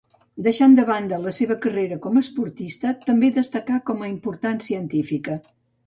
Deixant de banda la seva carrera com a esportista, també destacà com a important científica.